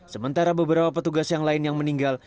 sementara beberapa petugas yang lain yang meninggal